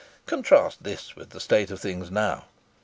Contrast this with the state of things now.